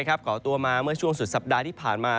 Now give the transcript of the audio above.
ก่อตัวมาเมื่อช่วงสุดสัปดาห์ที่ผ่านมา